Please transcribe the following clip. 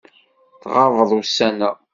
Tɣabeḍ ussan-a.